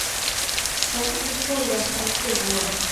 Sempre foi bastante boa.